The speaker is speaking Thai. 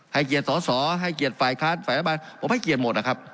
เกียรติสอสอให้เกียรติฝ่ายค้านฝ่ายรัฐบาลผมให้เกียรติหมดนะครับ